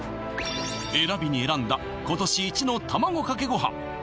選びに選んだ今年イチの卵かけごはん